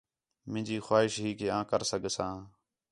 مینجی خواہش ہی کہ آں کر سڳساں